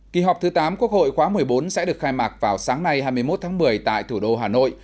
kỳ họp thứ tám quốc hội khóa một mươi bốn sẽ được khai mạc vào sáng nay hai mươi một tháng một mươi tại thủ đô hà nội